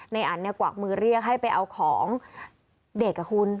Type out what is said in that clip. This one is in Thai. นายอันกวากมือเรียกให้ไปเอาของเด็กกับคุณ